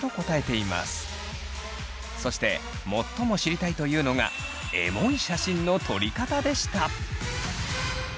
そして最も知りたいというのがエモい写真の撮り方でした。